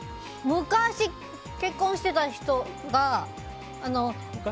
昔、結婚していた人が。